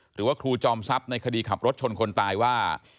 หรือว่าครูจอมทรัพย์ในคดีขับรถชนคนตายว่า